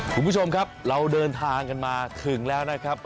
คุณผู้ชมครับเราเดินทางกันมาถึงแล้วนะครับ